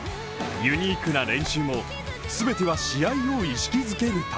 ユニークな練習も全ては試合を意識づける